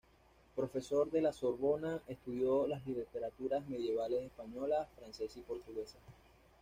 Profesor de la Sorbona, estudió las literaturas medievales española, francesa y portuguesa.